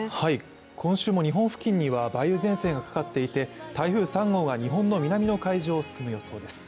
今週も日本付近には梅雨前線がかかっていて台風３号が日本の南海上を進む予想です。